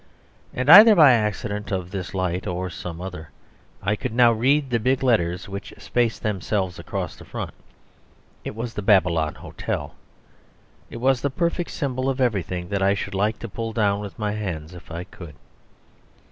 And either by accident of this light or of some other, I could now read the big letters which spaced themselves across the front; it was the Babylon Hotel. It was the perfect symbol of everything that I should like to pull down with my hands if I could.